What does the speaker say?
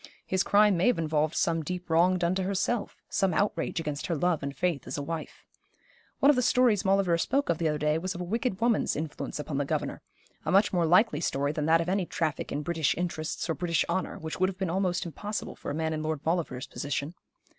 His crime may have involved some deep wrong done to herself, some outrage against her love and faith as a wife. One of the stories Maulevrier spoke of the other day was of a wicked woman's influence upon the governor a much more likely story than that of any traffic in British interests or British honour, which would have been almost impossible for a man in Lord Maulevrier's position.